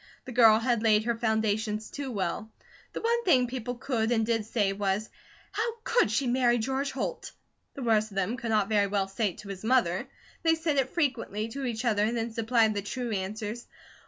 The girl had laid her foundations too well. The one thing people could and did say was: "How could she marry George Holt?" The worst of them could not very well say it to his mother. They said it frequently to each other and then supplied the true answers.